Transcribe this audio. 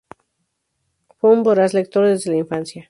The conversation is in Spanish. Fue un voraz lector desde la infancia.